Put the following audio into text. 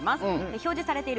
表示されている